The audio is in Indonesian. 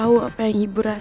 jangan lupa subscribe brokeooo